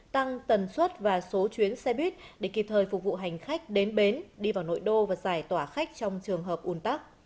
tăng tần suất và số chuyến xe buýt để kịp thời phục vụ hành khách đến bến đi vào nội đô và giải tỏa khách trong trường hợp ủn tắc